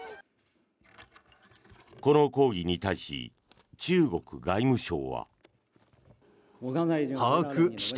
この抗議に対し中国外務省は。